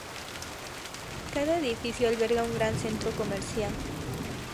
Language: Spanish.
Cada edificio alberga un gran centro comercial.